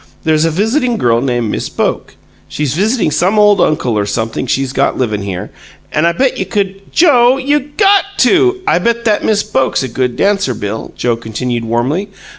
That's a visiting girl named Miss Boke; she's visiting some old uncle or something she's got livin' here, and I bet you could " "Joe, you GOT to " "I bet that Miss Boke's a good dancer, Bill," Joe continued, warmly.